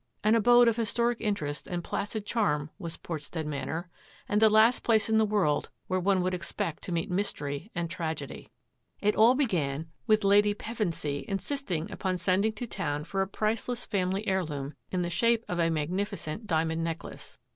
An abode of his toric interest and placid charm was Portstead Manor, and the last place in the world where one would expect to meet mystery and tragedy. It all began with Lady Pevensy insisting upon 1 ft THAT AFFAIR AT THE MANOR sending to town for a priceless family heirloom in the shape of a magnificent diamond necklace.